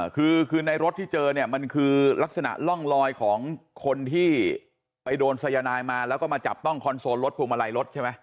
คือคือในรถที่เจอเนี่ยมันคือลักษณะร่องลอยของคนที่ไปโดนสายนายมาแล้วก็มาจับต้องคอนโซลรถพวงมาลัยรถใช่ไหม